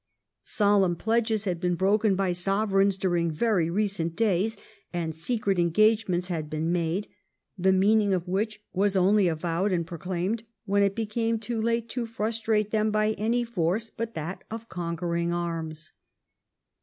Solemn pledges had been broken by Sovereigns during very recent days, and secret engagements had been made, the meaning of which was only avowed and proclaimed when it became too late to frustrate them by any force but that of conquering arms.